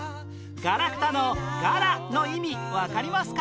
ガラクタの「ガラ」の意味わかりますか？